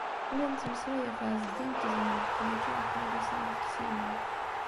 La nettmeslay af Ɛezdin n Tezmalt, mačči af Milisa n At Ksila.